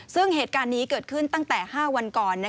ซึ่งเหตุการณ์นี้เกิดขึ้นตั้งแต่๕วันก่อน